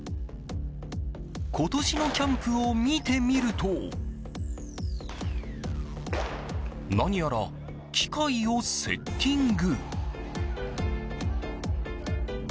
今年のキャンプを見てみると何やら機械をセッティング。